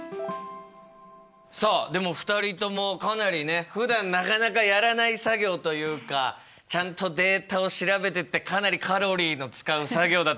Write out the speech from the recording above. さあでも２人ともかなりねふだんなかなかやらない作業というかちゃんとデータを調べてってかなりカロリーの使う作業だったと思いますけれども。